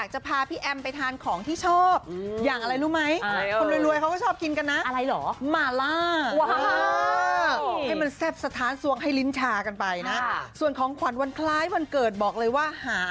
หนึ่งคนร่วยเขาจะชอบกินกันนะอะไรเหรอมาล่าแสบสะท้านให้ลิ้นชากันไปส่วนของขวัญวันคล้ายวันเกิดบอกเลยว่าหา